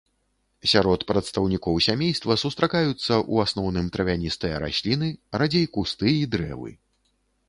Сярод прадстаўнікоў сямейства сустракаюцца, у асноўным, травяністыя расліны, радзей кусты і дрэвы.